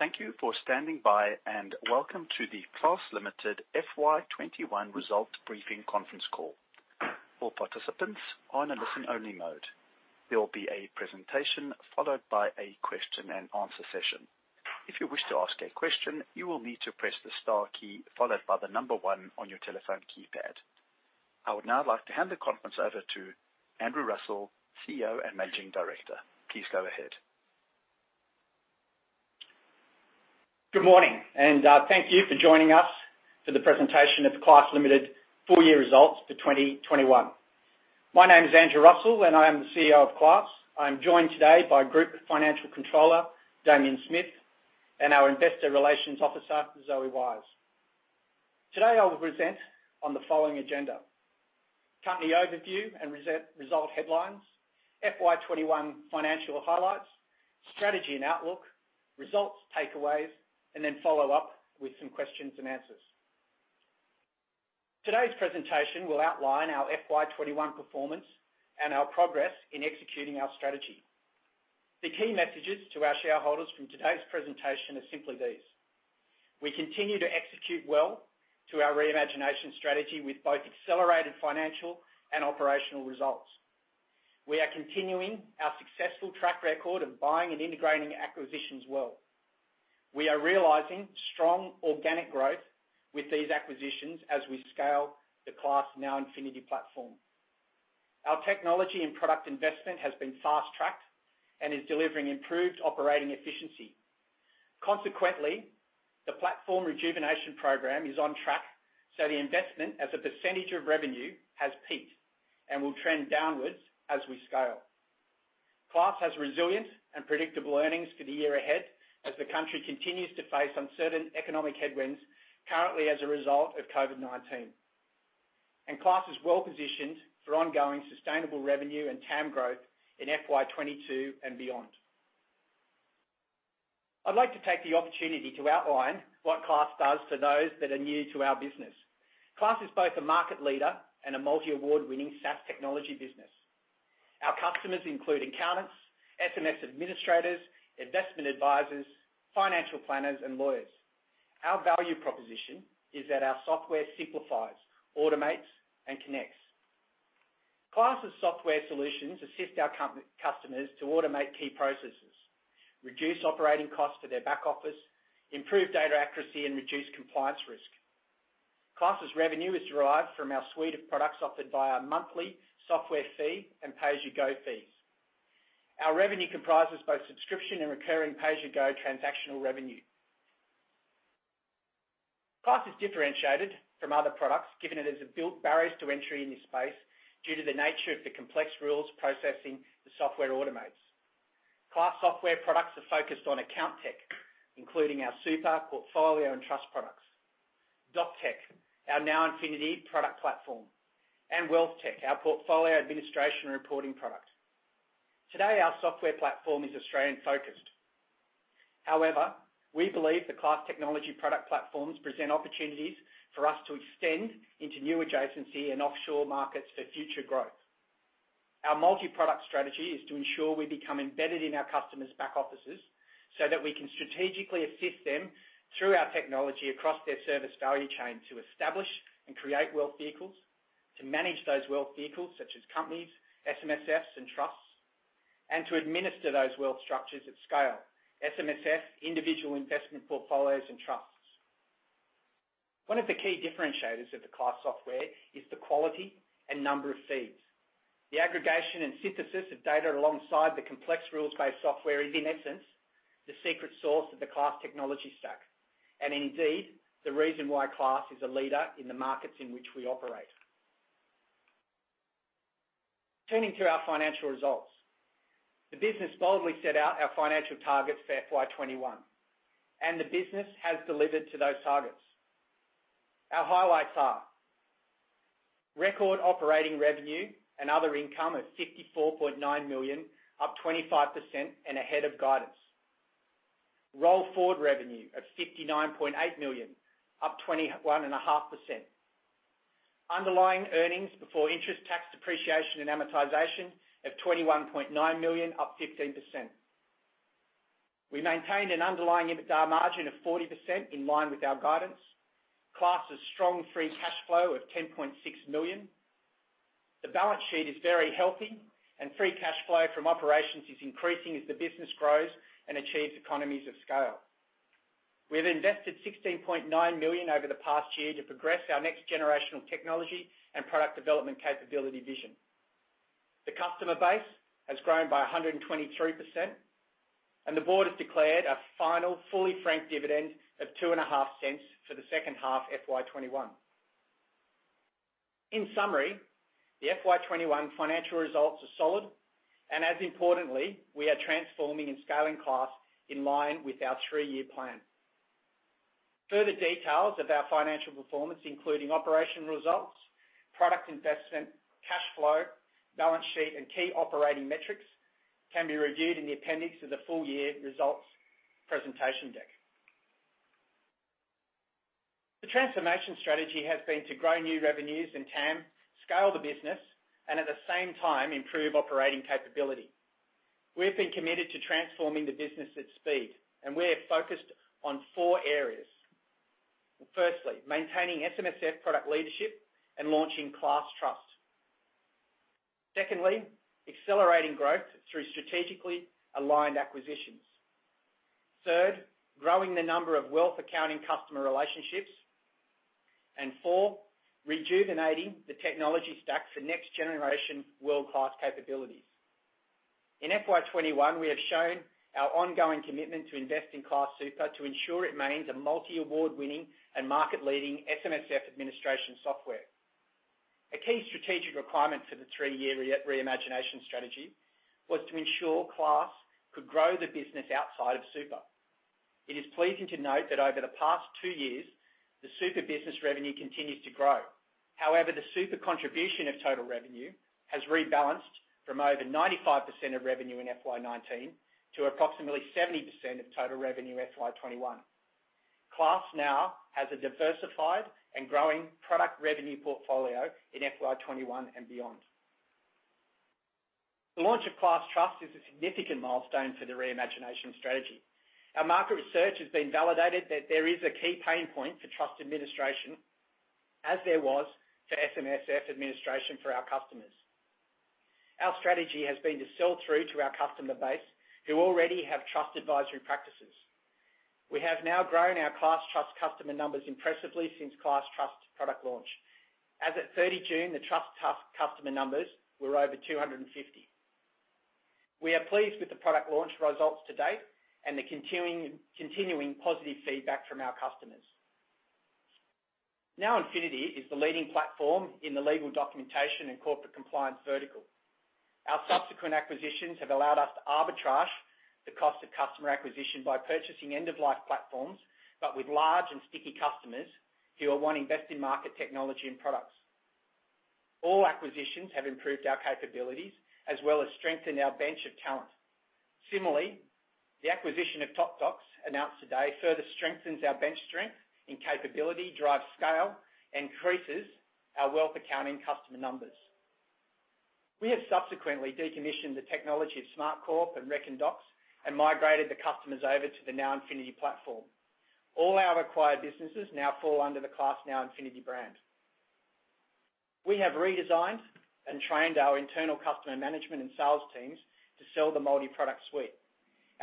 Thank you for standing by, and welcome to the Class Limited FY 2021 Result Briefing Conference Call. All participants are in a listen-only mode. There will be a presentation followed by a question-and-answer session. If you wish to ask a question, you will need to press the star key followed by the number one on your telephone keypad. I would now like to hand the conference over to Andrew Russell, CEO and Managing Director, please go ahead. Good morning, and thank you for joining us for the presentation of Class Limited full-year results for 2021. My name is Andrew Russell, and I am the CEO of Class. I'm joined today by Group Financial Controller, Damien Smith, and our Investor Relations Officer, Zoe Wise. Today, I'll present on the following agenda: company overview and result headlines, FY 2021 financial highlights, strategy and outlook, results takeaways, and then follow up with some questions and answers. Today's presentation will outline our FY 2021 performance and our progress in executing our strategy. The key messages to our shareholders from today's presentation are simply these: We continue to execute well to our Reimagination Strategy with both accelerated financial and operational results. We are continuing our successful track record of buying and integrating acquisitions well. We are realizing strong organic growth with these acquisitions as we scale the Class NowInfinity platform. Our technology and product investment has been fast-tracked and is delivering improved operating efficiency. The platform rejuvenation program is on track, the investment as a percentage of revenue has peaked and will trend downwards as we scale. Class has resilient and predictable earnings for the year ahead as the country continues to face uncertain economic headwinds, currently as a result of COVID-19. Class is well-positioned for ongoing sustainable revenue and TAM growth in FY 2022 and beyond. I'd like to take the opportunity to outline what Class does to those that are new to our business. Class is both a market leader and a multi-award-winning SaaS technology business. Our customers include accountants, administrators, investment advisors, financial planners, and lawyers. Our value proposition is that our software simplifies, automates, and connects. Class software solutions assist our customers to automate key processes, reduce operating costs to their back office, improve data accuracy, and reduce compliance risk. Class revenue is derived from our suite of products offered via our monthly software fee and pay-as-you-go fees. Our revenue comprises both subscription and recurring pay-as-you-go transactional revenue. Class is differentiated from other products, given that there's built barriers to entry in this space due to the nature of the complex rules processing the software automates. Class software products are focused on account tech, including our super, portfolio, and trust products. Doc tech, our NowInfinity product platform. Wealth tech, our portfolio administration reporting product. Today, our software platform is Australian-focused. However, we believe the Class technology product platforms present opportunities for us to extend into new adjacency and offshore markets for future growth. Our multi-product strategy is to ensure we become embedded in our customers back offices so that we can strategically assist them through our technology across their service value chain to establish and create wealth vehicles, to manage those wealth vehicles such as companies, SMSFs, and trusts, and to administer those wealth structures at scale, SMSF, individual investment portfolios, and trusts. One of the key differentiators of the Class software is the quality and number of feeds. The aggregation and synthesis of data alongside the complex rules-based software is, in essence, the secret sauce of the Class technology stack. Indeed, the reason why Class is a leader in the markets in which we operate. Turning to our financial results. The business boldly set out our financial targets for FY 2021, and the business has delivered to those targets. Our highlights are: record operating revenue and other income of 54.9 million, up 25% and ahead of guidance. Roll forward revenue of 59.8 million, up 21.5%. Underlying earnings before interest tax depreciation and amortization of 21.9 million, up 15%. We maintained an underlying EBITDA margin of 40%, in line with our guidance. Class strong free cash flow of 10.6 million. The balance sheet is very healthy, and free cash flow from operations is increasing as the business grows and achieves economies of scale. We have invested 16.9 million over the past year to progress our next generational technology and product development capability vision. The customer base has grown by 123%, and the board has declared a final fully franked dividend of 0.025 for the second half FY 2021. In summary, the FY 2021 financial results are solid, and as importantly, we are transforming and scaling Class in line with our three-year plan. Further details of our financial performance, including operation results, product investment, cash flow, balance sheet, and key operating metrics, can be reviewed in the appendix of the full-year results presentation deck. The transformation strategy has been to grow new revenues and TAM, scale the business, and at the same time, improve operating capability. We've been committed to transforming the business at speed, and we are focused on four areas. Firstly, maintaining SMSF product leadership and launching Class Trust. Secondly, accelerating growth through strategically aligned acquisitions. Third, growing the number of wealth accounting customer relationships. And four, rejuvenating the technology stack for next generation world-class capabilities. In FY 2021, we have shown our ongoing commitment to invest in Class Super to ensure it remains a multi-award-winning and market-leading SMSF administration software. A key strategic requirement for the three-year Reimagination Strategy was to ensure Class could grow the business outside of Super. It is pleasing to note that over the past two years, the Super business revenue continues to grow. However, the Super contribution of total revenue has rebalanced from over 95% of revenue in FY 2019 to approximately 70% of total revenue FY 2021. Class now has a diversified and growing product revenue portfolio in FY 2021 and beyond. The launch of Class Trust is a significant milestone for the Reimagination Strategy. Our market research has been validated that there is a key pain point for trust administration, as there was for SMSF administration for our customers. Our strategy has been to sell through to our customer base who already have trust advisory practices. We have now grown our Class Trust customer numbers impressively since Class Trust product launch. As at 30 June, the Trust customer numbers were over 250. We are pleased with the product launch results to date and the continuing positive feedback from our customers. NowInfinity is the leading platform in the legal documentation and corporate compliance vertical. Our subsequent acquisitions have allowed us to arbitrage the cost of customer acquisition by purchasing end-of-life platforms, but with large and sticky customers who are wanting best in market technology and products. All acquisitions have improved our capabilities as well as strengthened our bench of talent. Similarly, the acquisition of Topdocs announced today further strengthens our bench strength in capability, drives scale, increases our wealth accounting customer numbers. We have subsequently decommissioned the technology of Smartcorp and ReckonDocs and migrated the customers over to the NowInfinity platform. All our acquired businesses now fall under the Class NowInfinity brand. We have redesigned and trained our internal customer management and sales teams to sell the multi-product suite.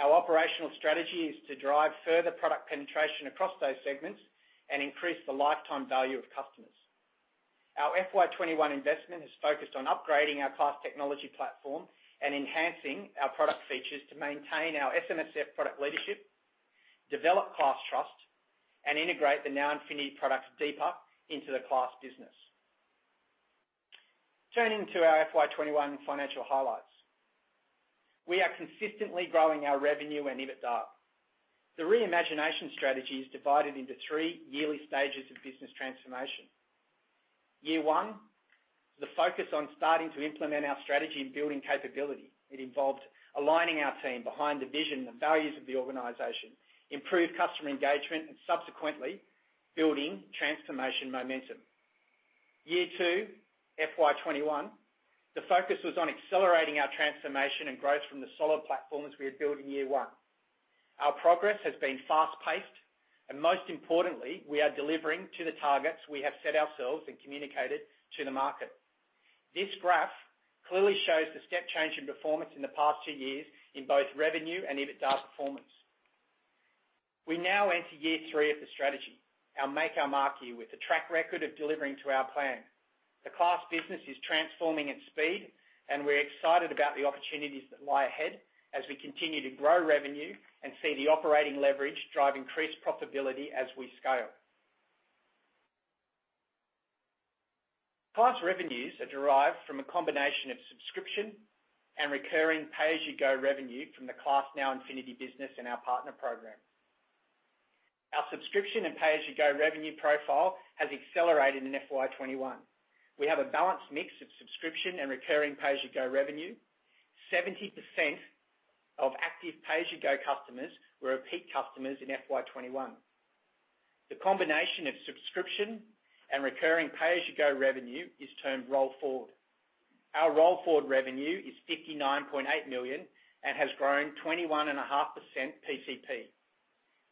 Our operational strategy is to drive further product penetration across those segments and increase the lifetime value of customers. Our FY 2021 investment is focused on upgrading our Class technology platform and enhancing our product features to maintain our SMSF product leadership, develop Class Trust, and integrate the NowInfinity products deeper into the Class business. Turning to our FY 2021 financial highlights. We are consistently growing our revenue and EBITDA. The Reimagination Strategy is divided into three yearly stages of business transformation. Year one, the focus on starting to implement our strategy and building capability. It involved aligning our team behind the vision and values of the organization, improve customer engagement, and subsequently building transformation momentum. Year two, FY 2021, the focus was on accelerating our transformation and growth from the solid platforms we had built in year one. Our progress has been fast-paced, and most importantly, we are delivering to the targets we have set ourselves and communicated to the market. This graph clearly shows the step change in performance in the past two years in both revenue and EBITDA performance. We now enter year three of the strategy, our make our mark year, with a track record of delivering to our plan. The Class business is transforming at speed, and we're excited about the opportunities that lie ahead as we continue to grow revenue and see the operating leverage drive increased profitability as we scale. Class revenues are derived from a combination of subscription and recurring pay-as-you-go revenue from the Class NowInfinity business and our partner program. Our subscription and pay-as-you-go revenue profile has accelerated in FY 2021. We have a balanced mix of subscription and recurring pay-as-you-go revenue. 70% of active pay-as-you-go customers were repeat customers in FY 2021. The combination of subscription and recurring pay-as-you-go revenue is termed roll forward. Our roll forward revenue is 59.8 million and has grown 21.5% PCP.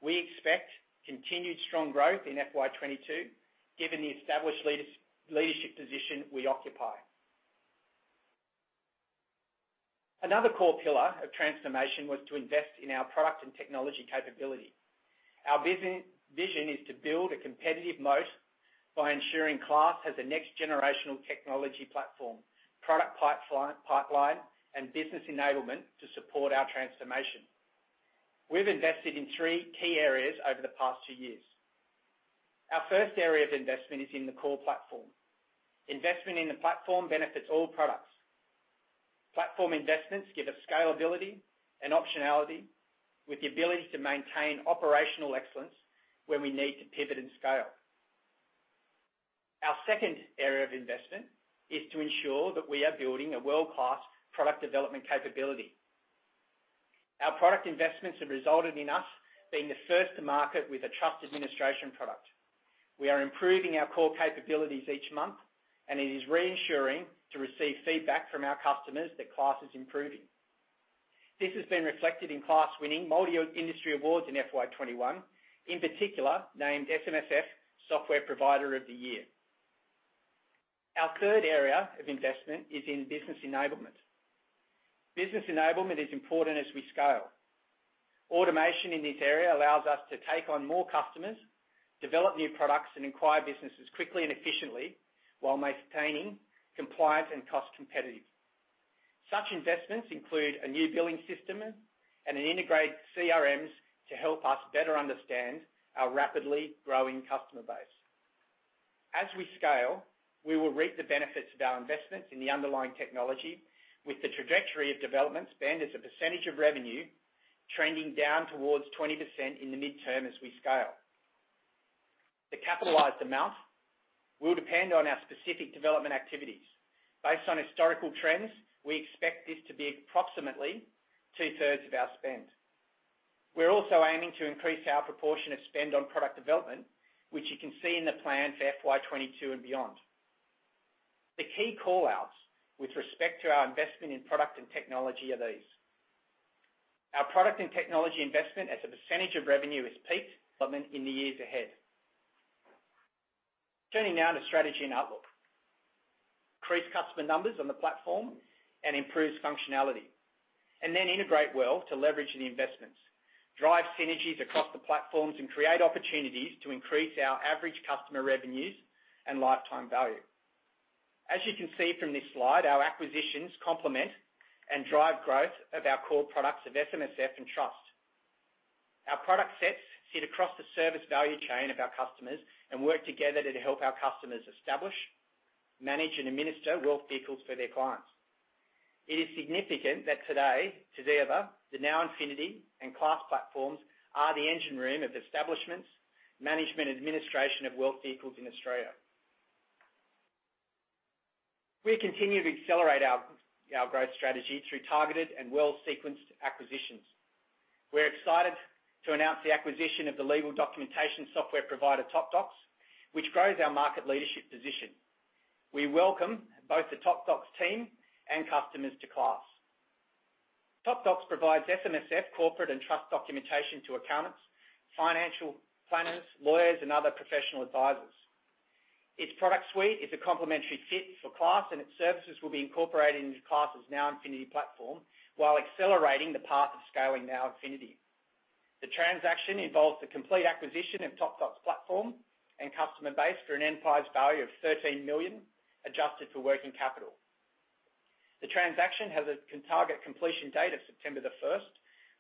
We expect continued strong growth in FY 2022, given the established leadership position we occupy. Another core pillar of transformation was to invest in our product and technology capability. Our vision is to build a competitive moat by ensuring Class has a next-generational technology platform, product pipeline, and business enablement to support our transformation. We've invested in three key areas over the past two years. Our first area of investment is in the core platform. Investment in the platform benefits all products. Platform investments give us scalability and optionality with the ability to maintain operational excellence when we need to pivot and scale. Our second area of investment is to ensure that we are building a world-class product development capability. Our product investments have resulted in us being the first to market with a trust administration product. We are improving our core capabilities each month, and it is reassuring to receive feedback from our customers that Class is improving. This has been reflected in Class winning multiple industry awards in FY 2021, in particular, named SMSF Software Provider of the Year. Our third area of investment is in business enablement. Business enablement is important as we scale. Automation in this area allows us to take on more customers, develop new products, and acquire businesses quickly and efficiently, while maintaining compliance and cost competitive. Such investments include a new billing system and an integrated CRMs to help us better understand our rapidly growing customer base. As we scale, we will reap the benefits of our investments in the underlying technology with the trajectory of development spend as a percentage of revenue trending down towards 20% in the midterm, as we scale. The capitalized amount will depend on our specific development activities. Based on historical trends, we expect this to be approximately 2/3 of our spend. We're also aiming to increase our proportion of spend on product development, which you can see in the plan for FY 2022 and beyond. The key call-outs with respect to our investment in product and technology are these. Our product and technology investment as a percentage of revenue has peaked, but in the years ahead. Turning now to strategy and outlook. Increase customer numbers on the platform and improves functionality. Then integrate well to leverage the investments, drive synergies across the platforms, and create opportunities to increase our average customer revenues and lifetime value. As you can see from this slide, our acquisitions complement and drive growth of our core products of SMSF and trust. Our product sets sit across the service value chain of our customers and work together to help our customers establish, manage, and administer wealth vehicles for their clients. It is significant that today ever, the NowInfinity and Class platforms are the engine room of establishments, management, administration of wealth vehicles in Australia. We continue to accelerate our growth strategy through targeted and well-sequenced acquisitions. We're excited to announce the acquisition of the legal documentation software provider Topdocs, which grows our market leadership position. We welcome both the Topdocs team and customers to Class. Topdocs provides SMSF corporate and trust documentation to accountants, financial planners, lawyers, and other professional advisors. Its product suite is a complementary fit for Class, and its services will be incorporated into Class NowInfinity platform while accelerating the path to scaling NowInfinity. The transaction involves the complete acquisition of Topdocs platform and customer base for an enterprise value of 13 million, adjusted for working capital. The transaction has a target completion date of September the first,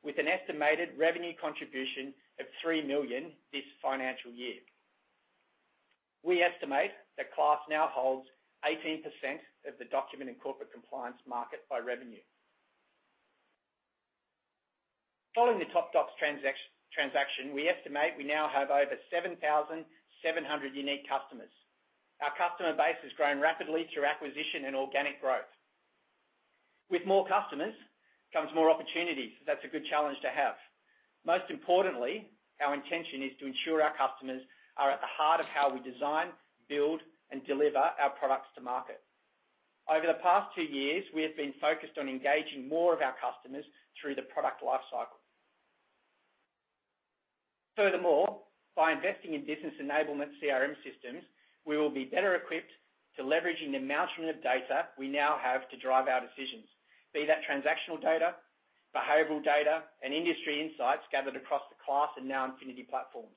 with an estimated revenue contribution of 3 million this financial year. We estimate that Class now holds 18% of the document and corporate compliance market by revenue. Following the Topdocs transaction, we estimate we now have over 7,700 unique customers. Our customer base has grown rapidly through acquisition and organic growth. With more customers comes more opportunities. That's a good challenge to have. Most importantly, our intention is to ensure our customers are at the heart of how we design, build, and deliver our products to market. Over the past two years, we have been focused on engaging more of our customers through the product life cycle. Furthermore, by investing in business enablement CRM systems, we will be better equipped to leveraging the mountain of data we now have to drive our decisions. Be that transactional data, behavioral data, and industry insights gathered across the Class and NowInfinity platforms.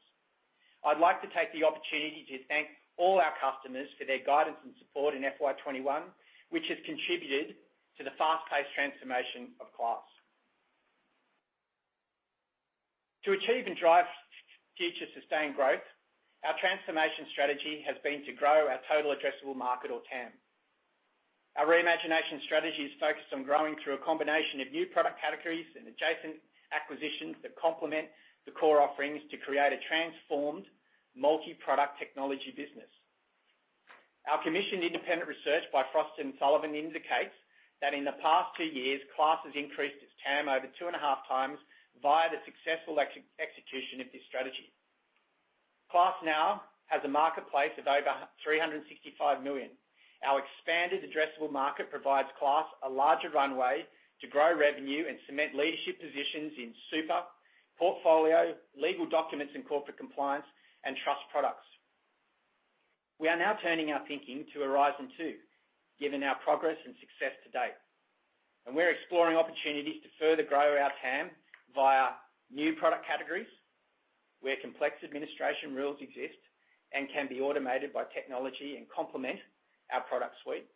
I'd like to take the opportunity to thank all our customers for their guidance and support in FY 2021, which has contributed to the fast-paced transformation of Class. To achieve and drive future sustained growth, our transformation strategy has been to grow our total addressable market or TAM. Our Reimagination Strategy is focused on growing through a combination of new product categories and adjacent acquisitions that complement the core offerings to create a transformed multi-product technology business. Our commissioned independent research by Frost & Sullivan indicates that in the past two years, Class has increased its TAM over two and a half times via the successful execution of this strategy. Class now has a marketplace of over 365 million. Our expanded addressable market provides Class a larger runway to grow revenue and cement leadership positions in super, portfolio, legal documents, and corporate compliance and trust products. We are now turning our thinking to Horizon Two, given our progress and success to date, and we're exploring opportunities to further grow our TAM via new product categories where complex administration rules exist and can be automated by technology and complement our product suite.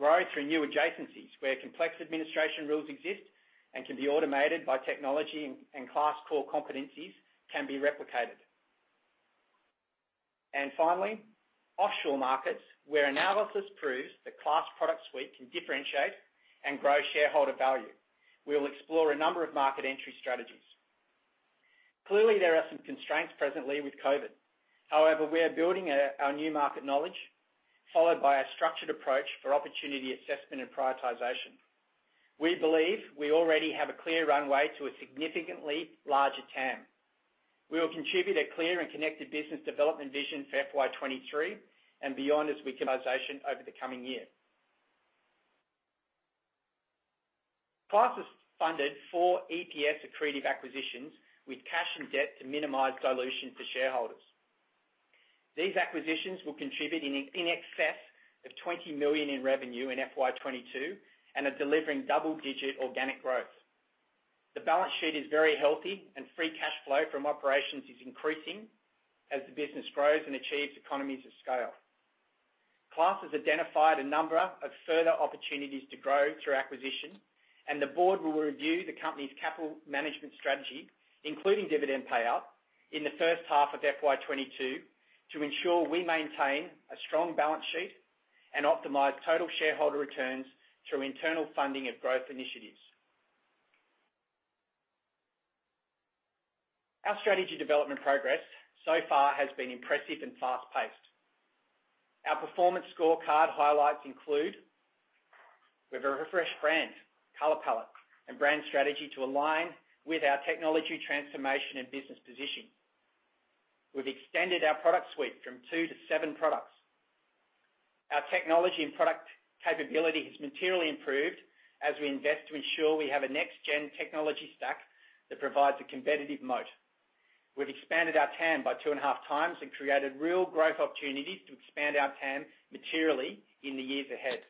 Grow through new adjacencies where complex administration rules exist and can be automated by technology and Class core competencies can be replicated. Finally, offshore markets where analysis proves that Class product suite can differentiate and grow shareholder value. We will explore a number of market entry strategies. Clearly, there are some constraints presently with COVID. We are building our new market knowledge, followed by a structured approach for opportunity assessment and prioritization. We believe we already have a clear runway to a significantly larger TAM. We will contribute a clear and connected business development vision for FY 2023 and beyond as we utilize it over the coming year. Class has funded four EPS accretive acquisitions with cash and debt to minimize dilution for shareholders. These acquisitions will contribute in excess of 20 million in revenue in FY 2022 and are delivering double-digit organic growth. The balance sheet is very healthy, and free cash flow from operations is increasing as the business grows and achieves economies of scale. Class has identified a number of further opportunities to grow through acquisition, and the board will review the company's capital management strategy, including dividend payout, in the first half of FY 2022 to ensure we maintain a strong balance sheet and optimize total shareholder returns through internal funding of growth initiatives. Our strategy development progress so far has been impressive and fast-paced. Our performance scorecard highlights include, we have a refreshed brand, color palette, and brand strategy to align with our technology transformation and business position. We've extended our product suite from two to seven products. Our technology and product capability has materially improved as we invest to ensure we have a next-gen technology stack that provides a competitive moat. We've expanded our TAM by two and a half times and created real growth opportunities to expand our TAM materially in the years ahead.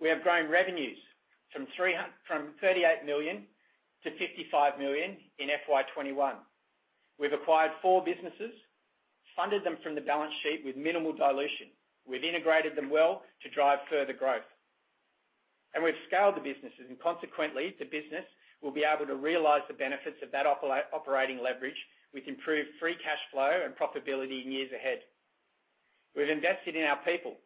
We have grown revenues from 38 million-55 million in FY 2021. We've acquired four businesses, funded them from the balance sheet with minimal dilution. We've integrated them well to drive further growth. We've scaled the businesses, and consequently, the business will be able to realize the benefits of that operating leverage with improved free cash flow and profitability in years ahead. We've invested in our people.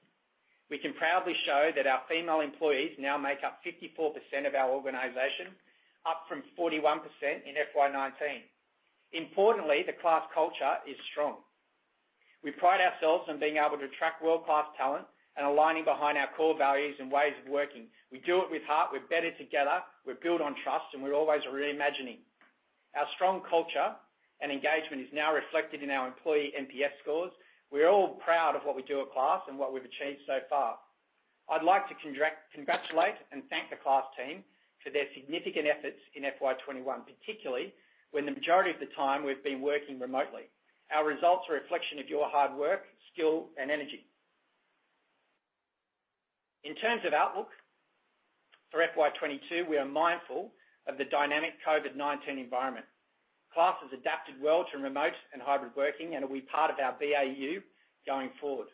We can proudly show that our female employees now make up 54% of our organization, up from 41% in FY 2019. Importantly, the Class culture is strong. We pride ourselves on being able to attract world-class talent and aligning behind our core values and ways of working. We do it with heart. We're better together. We build on trust, and we're always reimagining. Our strong culture and engagement is now reflected in our employee NPS scores. We're all proud of what we do at Class and what we've achieved so far. I'd like to congratulate and thank the Class team for their significant efforts in FY 2021, particularly when the majority of the time we've been working remotely. Our results are a reflection of your hard work, skill, and energy. In terms of outlook for FY 2022, we are mindful of the dynamic COVID-19 environment. Class has adapted well to remote, and hybrid working and will be part of our BAU going forward.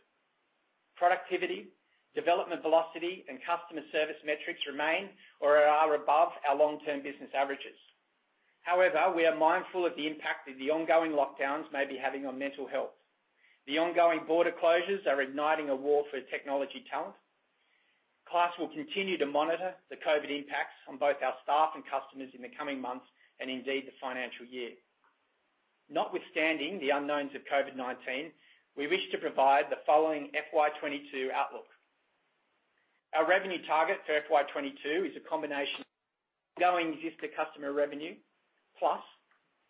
Productivity, development velocity, and customer service metrics remain or are above our long-term business averages. However, we are mindful of the impact that the ongoing lockdowns may be having on mental health. The ongoing border closures are igniting a war for technology talent. Class will continue to monitor the COVID impacts on both our staff and customers in the coming months, and indeed, the financial year. Notwithstanding the unknowns of COVID-19, we wish to provide the following FY 2022 outlook. Our revenue target for FY 2022 is a combination of going existing customer revenue, plus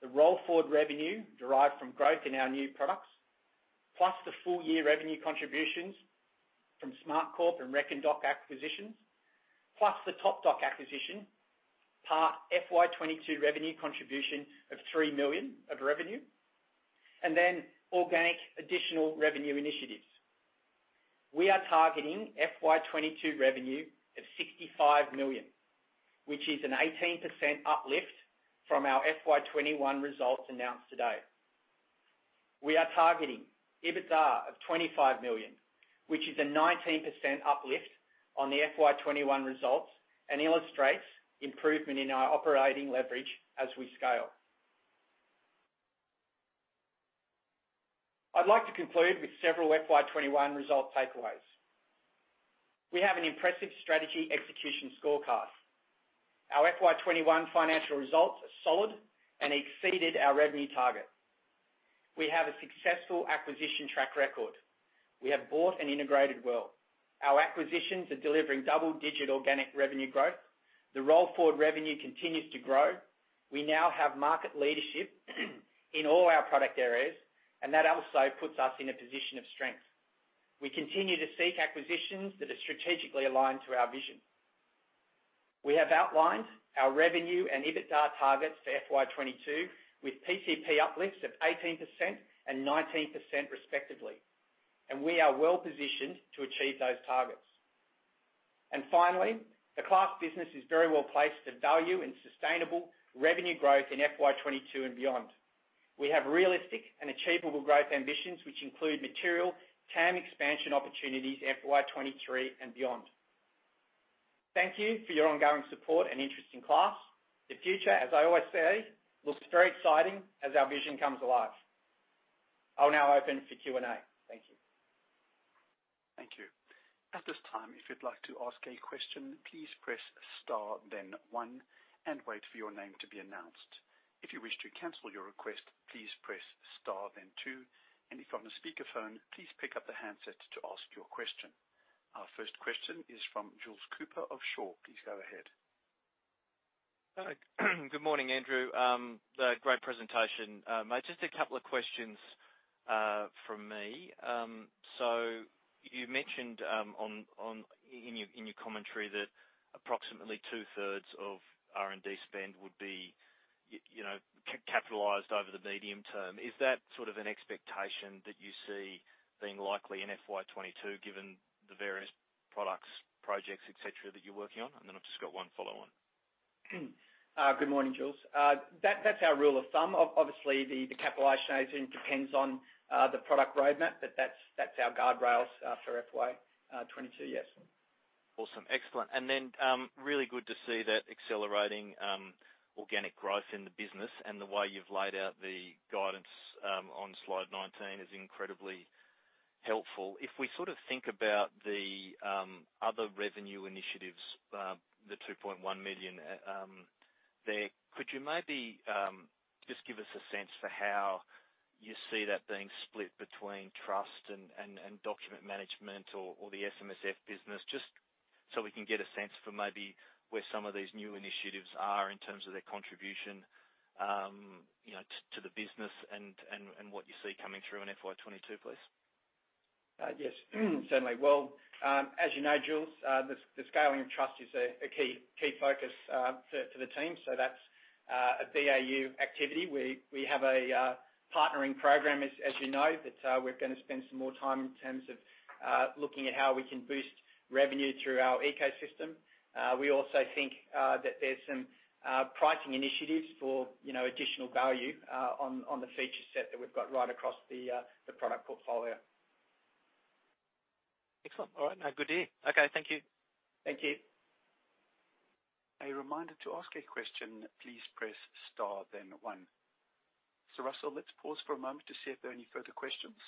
the roll-forward revenue derived from growth in our new products, plus the full-year revenue contributions from Smartcorp and ReckonDocs acquisitions, plus the Topdocs acquisition, part FY 2022 revenue contribution of 3 million of revenue, then organic additional revenue initiatives. We are targeting FY 2022 revenue of 65 million, which is an 18% uplift from our FY 2021 results announced today. We are targeting EBITDA of 25 million, which is a 19% uplift on the FY 2021 results and illustrates improvement in our operating leverage as we scale. I'd like to conclude with several FY 2021 result takeaways. We have an impressive strategy execution scorecard. Our FY 2021 financial results are solid and exceeded our revenue target. We have a successful acquisition track record. We have bought and integrated well, our acquisitions are delivering double-digit organic revenue growth. The roll-forward revenue continues to grow. We now have market leadership in all our product areas, and that also puts us in a position of strength. We continue to seek acquisitions that are strategically aligned to our vision. We have outlined our revenue and EBITDA targets for FY 2022 with PCP uplifts of 18% and 19% respectively. We are well positioned to achieve those targets. Finally, the Class business is very well-placed to value in sustainable revenue growth in FY 2022 and beyond. We have realistic and achievable growth ambitions, which include material TAM expansion opportunities FY 2023 and beyond. Thank you for your ongoing support and interest in Class. The future, as I always say, looks very exciting as our vision comes alive. I'll now open for Q&A, thank you. Thank you, at this time if you'd like to ask a question. Please press star then one and wait for your name to be announced. If you wish to cancel your request, please press star then two and if from the speaker phone, please pick up the handset to ask your question. Our first question is from Jules Cooper of Shaw & Partners, please go ahead. Hi, good morning, Andrew, great presentation, just a couple of questions from me. You mentioned in your commentary that approximately 2/3 of R&D spend would be capitalized over the medium term. Is that sort of an expectation that you see being likely in FY 2022 given the various products, projects, et cetera, that you're working on? I've just got one follow-on. Good morning, Jules. That's our rule of thumb, obviously, the capitalization depends on the product roadmap, but that's our guardrails for FY 2022, yes. Awesome, excellent, then really good to see that accelerating organic growth in the business and the way you've laid out the guidance on slide 19 is incredibly helpful. If we sort of think about the other revenue initiatives, the 2.1 million there, could you maybe just give us a sense for how you see that being split between trust and document management or the SMSF business, just so we can get a sense for maybe where some of these new initiatives are in terms of their contribution to the business and what you see coming through in FY 2022, please? Yes, certainly, well, as you know, Jules, the scaling of Trust is a key focus for the team, so that's a BAU activity. We have a partnering program, as you know, that we're going to spend some more time in terms of looking at how we can boost revenue through our ecosystem. We also think that there's some pricing initiatives for additional value on the feature set that we've got right across the product portfolio. Excellent, all right. No, good to hear. Okay, thank you. Thank you. A reminder to ask a question, please press star then one. Russell, let's pause for a moment to see if there are any further questions.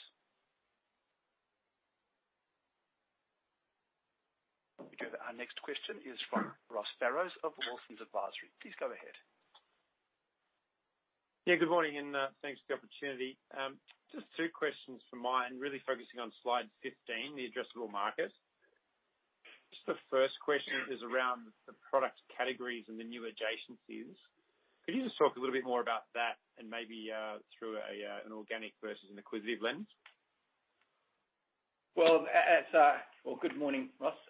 We go to our next question is from Ross Barrows of Wilsons Advisory, please go ahead. Good morning, and thanks for the opportunity. Two questions from my end, really focusing on slide 15, the addressable market. The first question is around the product categories and the new adjacencies. Could you just talk a little bit more about that and maybe through an organic versus an acquisitive lens? Good morning, Ross.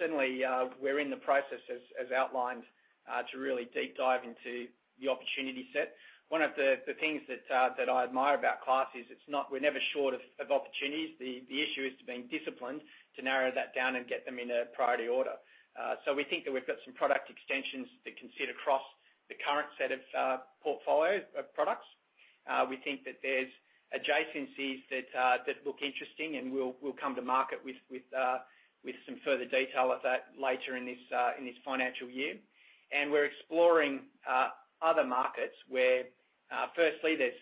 Certainly, we're in the process as outlined, to really deep dive into the opportunity set. One of the things that I admire about Class is we're never short of opportunities. The issue is being disciplined to narrow that down and get them in a priority order. We think that we've got some product extensions that can sit across the current set of portfolio of products. We think that there's adjacencies that look interesting, and we'll come to market with some further detail of that later in this financial year. We're exploring other markets where firstly, there's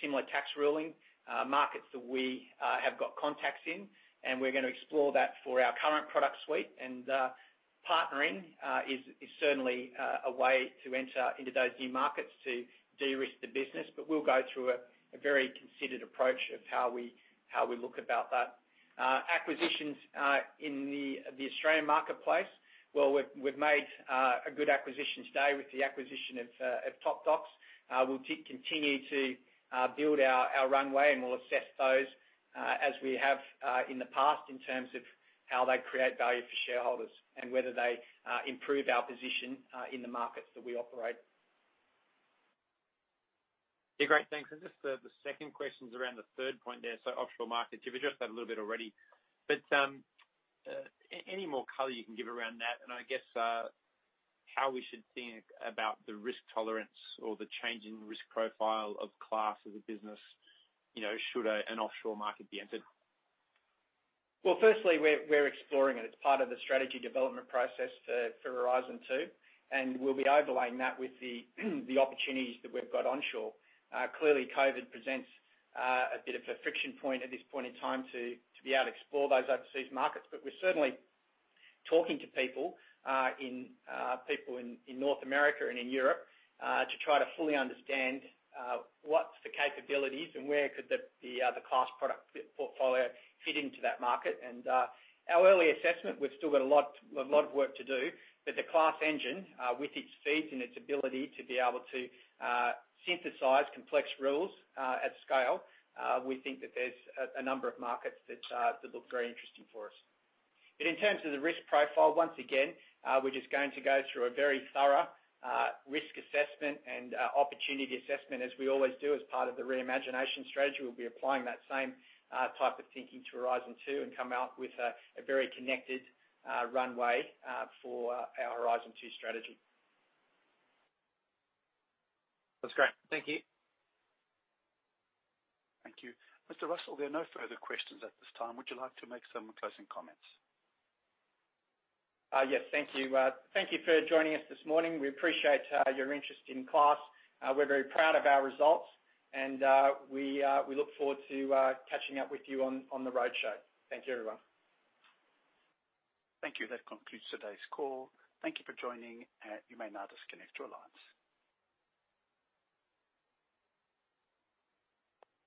similar tax ruling markets that we have got contacts in, and we're going to explore that for our current product suite. Partnering is certainly a way to enter into those new markets to de-risk the business. We'll go through a very considered approach of how we look about that. Acquisitions in the Australian marketplace, well, we've made a good acquisition today with the acquisition of Topdocs. We'll continue to build our runway, and we'll assess those as we have in the past in terms of how they create value for shareholders and whether they improve our position in the markets that we operate. Yeah, great. Thanks, just the second question's around the third point there. Offshore markets, you've addressed that a little bit already. Any more color you can give around that and I guess how we should think about the risk tolerance or the change in risk profile of Class as a business should an offshore market be entered? Firstly, we're exploring it. It's part of the strategy development process for Horizon 2, we'll be overlaying that with the opportunities that we've got onshore. Clearly, COVID presents a bit of a friction point at this point in time to be able to explore those overseas markets. We're certainly talking to people in North America and in Europe to try to fully understand what's the capabilities and where could the Class product portfolio fit into that market. Our early assessment, we've still got a lot of work to do, but the Class engine with its speeds and its ability to be able to synthesize complex rules at scale, we think that there's a number of markets that look very interesting for us. In terms of the risk profile, once again, we're just going to go through a very thorough risk assessment and opportunity assessment as we always do as part of the Reimagination Strategy. We'll be applying that same type of thinking to Horizon 2 and come out with a very connected runway for our Horizon 2 strategy. That's great, thank you. Thank you, Mr. Russell, there are no further questions at this time. Would you like to make some closing comments? Yes, thank you. Thank you for joining us this morning. We appreciate your interest in Class. We're very proud of our results, and we look forward to catching up with you on the roadshow. Thank you, everyone. Thank you, that concludes today's call. Thank you for joining, you may now disconnect your lines.